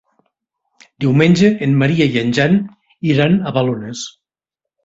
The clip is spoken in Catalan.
Diumenge en Maria i en Jan iran a Balones.